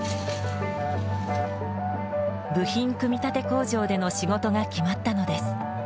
部品組み立て工場での仕事が決まったのです。